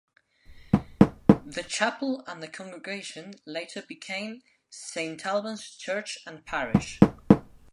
The chapel and the congregation later became Saint Alban's Church and Parish.